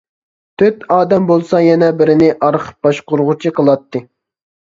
تۆت ئادەم بولسا يەنە بىرىنى ئارخىپ باشقۇرغۇچى قىلاتتى.